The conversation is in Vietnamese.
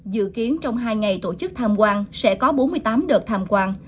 dự kiến trong hai ngày tổ chức tham quan sẽ có bốn mươi tám đợt tham quan